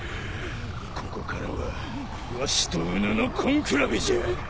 ここからはわしとうぬの根比べじゃ。